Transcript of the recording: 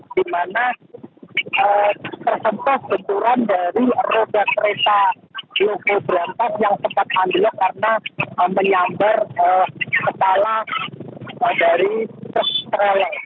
di mana terhentas benturan dari roda kereta lokomotif berantak yang sempat ambil karena menyambar kepala dari truk